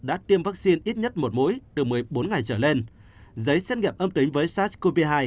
đã tiêm vaccine ít nhất một mũi từ một mươi bốn ngày trở lên giấy xét nghiệm âm tính với sars cov hai